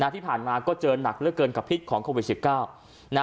ที่ผ่านมาก็เจอหนักเหลือเกินกับพิษของโควิด๑๙